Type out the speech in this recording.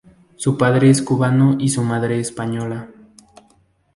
Su padre es cubano y su madre española.